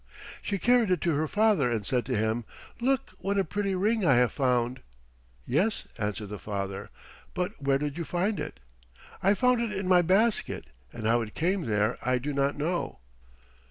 She carried it to her father and said to him, "Look what a pretty ring I have found!" "Yes," answered her father, "but where did you find it?" "I found it in my basket, but how it came there I do not know."